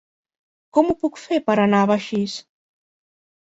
Com ho puc fer per anar a Begís?